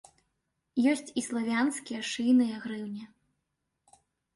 Ёсць і славянскія шыйныя грыўні.